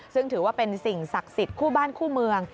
ซึ่งถือว่าเป็นสิ่งศักดิ์สิทธิ์คู่บ้านคู่เมือง